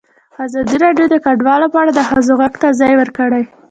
ازادي راډیو د کډوال په اړه د ښځو غږ ته ځای ورکړی.